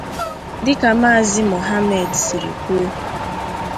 Dịka Maazị Mohammed siri kwuo